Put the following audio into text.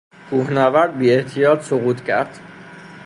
کوهنورد بیاحتیاط سقوط کرد.